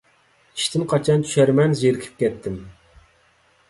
ئىشتىن قاچان چۈشەرمەن، زېرىكىپ كەتتىم.